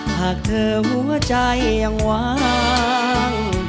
หากเธอหัวใจยังวาง